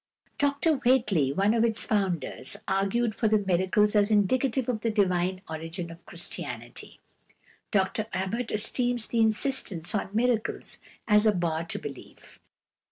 Dr Whately, one of its founders, argued for the miracles as indicative of the Divine origin of Christianity; Dr Abbott esteems the insistence on miracles as a bar to belief.